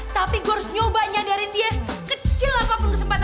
tapi gue harus nyoba nyadarin dia sekecil apapun kesempatan